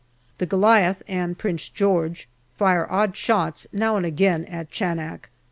The Goliath and Prince George fire odd shots now and again at Chanak.